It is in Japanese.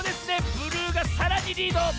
ブルーがさらにリード。